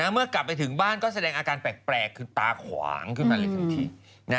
เมื่อกลับไปถึงบ้านก็แสดงอาการแปลกคือตาขวางขึ้นมาเลยทันที